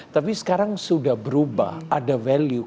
tapi sekarang sudah berubah ada value